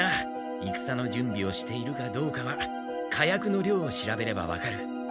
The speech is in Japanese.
いくさの準備をしているかどうかは火薬の量を調べればわかる。